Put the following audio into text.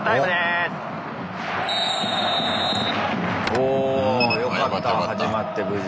およかった始まって無事。